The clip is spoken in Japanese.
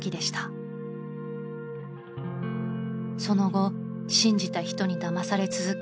［その後信じた人にだまされ続け